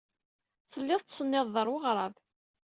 Telliḍ tettsennideḍ ɣer weɣrab.